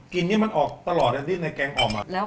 กินให้มันออกตลอดที่มันออกมา